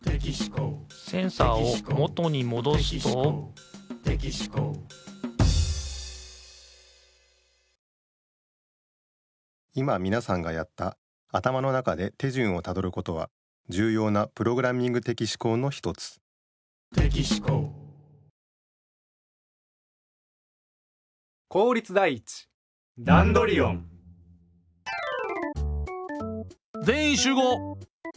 センサーを元にもどすと今みなさんがやった頭の中で手順をたどることはじゅうようなプログラミング的思考の一つぜんいんしゅうごう！